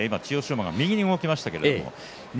馬が右に動きましたけど錦